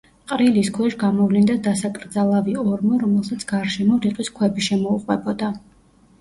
ყრილის ქვეშ გამოვლინდა დასაკრძალავი ორმო, რომელსაც გარშემო რიყის ქვები შემოუყვებოდა.